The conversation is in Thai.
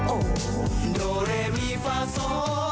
โอ้โดเรมีฟ้าโซ